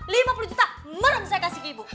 lima puluh juta merm saya kasih ke ibu